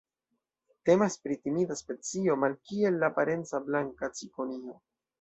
Temas pri timida specio, malkiel la parenca Blanka cikonio.